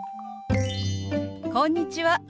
こんにちは。